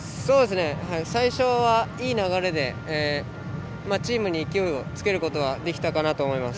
最初はいい流れでチームに勢いをつけることができたかなと思います。